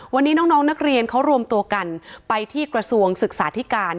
วันนี้น้องนักเรียนเขารวมตัวกันไปที่กระทรวงศึกษาธิการ